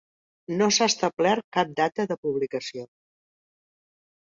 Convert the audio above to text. No s'ha establert cap data de publicació.